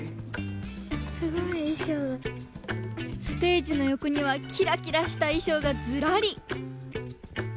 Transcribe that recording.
ステージのよこにはキラキラしたいしょうがずらり。